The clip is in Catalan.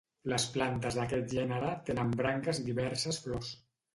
Les plantes d'aquest gènere tenen branques i diverses flors.